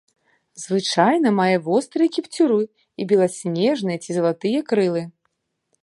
Звычайна мае вострыя кіпцюры і беласнежныя ці залатыя крылы.